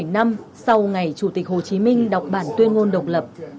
bảy mươi bảy năm sau ngày chủ tịch hồ chí minh đọc bản tuyên ngôn độc lập